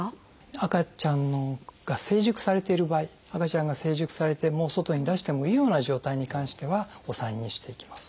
赤ちゃんが成熟されている場合赤ちゃんが成熟されてもう外に出してもいいような状態に関してはお産にしていきます。